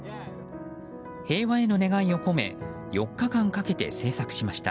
平和への願いを込め４日間かけて制作しました。